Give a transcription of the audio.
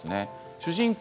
主人公